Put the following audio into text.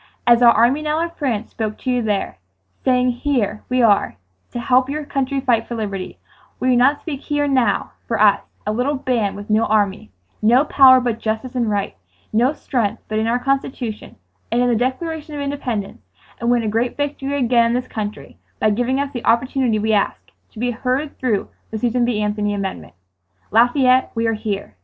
"As our army now in France spoke to you there, saying here we are to help your country fight for liberty, will you not speak here and now for us, a little band with no army, no power but justice and right, no strength but in our Constitution and in the Declaration of Independence; and win a great victory again in this country by giving us the opportunity we ask,—to be heard through the Susan B. Anthony amendment. "Lafayette, we are here!"